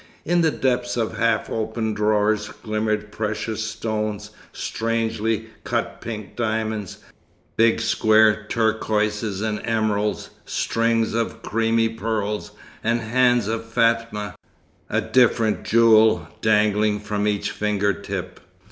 In the depths of half open drawers glimmered precious stones, strangely cut pink diamonds, big square turquoises and emeralds, strings of creamy pearls, and hands of Fatma, a different jewel dangling from each finger tip.